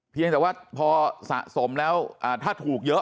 เพียงแต่ว่าพอสะสมแล้วถ้าถูกเยอะ